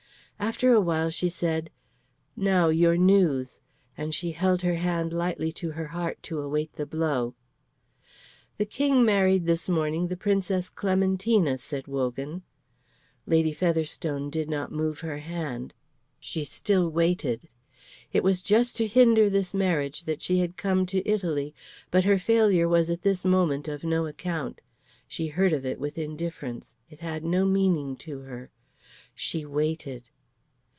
After a while she said, "Now your news;" and she held her hand lightly to her heart to await the blow. "The King married this morning the Princess Clementina," said Wogan. Lady Featherstone did not move her hand; she still waited. It was just to hinder this marriage that she had come to Italy, but her failure was at this moment of no account. She heard of it with indifference; it had no meaning to her. She waited.